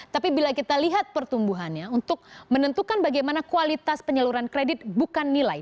tapi bila kita lihat pertumbuhannya untuk menentukan bagaimana kualitas penyaluran kredit bukan nilai